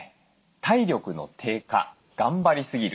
体力の低下・頑張りすぎる。